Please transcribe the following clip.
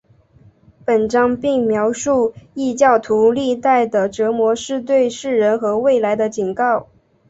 本章并描述异教徒历代的折磨是对世人和未来的警告。